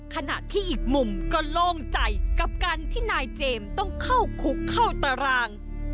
ขณะที่อีกมุมก็โล่งใจกับการที่นายเจมส์ต้องเข้าคุกเข้าตาราง